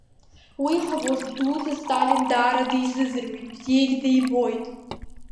Уи ҳвожд дуӡӡа Сталин даара дизыӡырҩуеит, бзиагьы дибоит…